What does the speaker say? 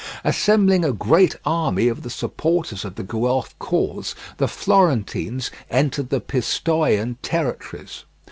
Assembling a great army of the supporters of the Guelph cause, the Florentines entered the Pistoian territories.